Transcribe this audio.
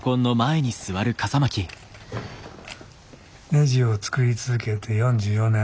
「ネジを作り続けて４４年。